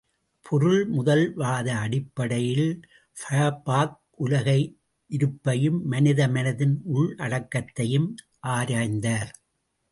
பொருள் முதல்வாத அடிப்படையில் ஃபயர்பாக் உலக இருப்பையும், மனித மனத்தின் உள்ளடக்கத்தையும் ஆராய்ந்தார்.